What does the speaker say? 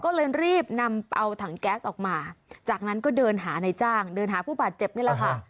ก็เลยรีบนำเอาถังแก๊สออกมาจากนั้นก็เดินหาในจ้างเดินหาผู้บาดเจ็บนี่แหละค่ะ